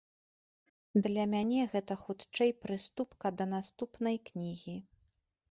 Для мяне гэта хутчэй прыступка да наступнай кнігі.